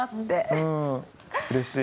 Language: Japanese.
うんうれしい。